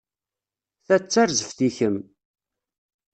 Ta d tarzeft i kemm.